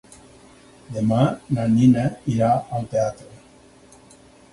Demà na Nina irà al teatre.